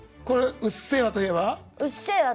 「うっせぇわ」といえば。